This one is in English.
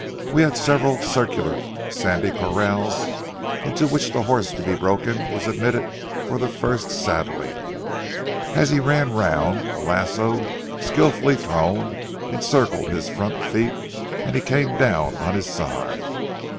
We had several circular, sandy corrals into which the horse to be broken was admitted for the first saddling. As he ran round, a lasso skillfully thrown encircled his front feet and he came down on his side.